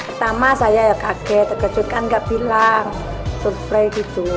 pertama saya kaget terkejut kan gak bilang surprise gitu